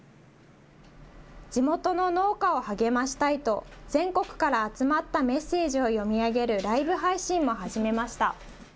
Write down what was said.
地元の農家を励ましたいと、全国から集まったメッセージを読み上げるライブ配信も始めました。